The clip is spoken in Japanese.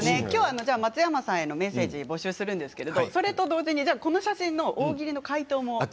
きょうは松山さんへのメッセージ募集するんですけれどそれと同時にこの写真の大喜利の回答も。